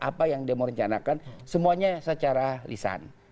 apa yang dia merencanakan semuanya secara lisan